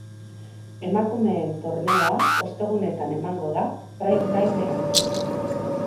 Emakumeen torneoa ostegunetan emango da, prime time-an.